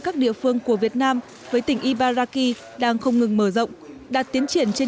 các địa phương của việt nam với tỉnh ibaraki đang không ngừng mở rộng đạt tiến triển trên